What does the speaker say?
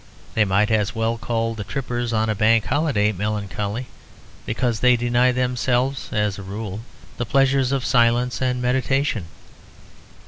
They might as well call the trippers on a Bank Holiday melancholy because they deny themselves, as a rule, the pleasures of silence and meditation.